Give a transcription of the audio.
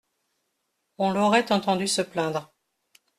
On l’aurait entendu se plaindre.